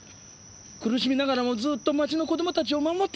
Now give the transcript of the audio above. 苦しみながらもずっと町の子供たちを守ってきた。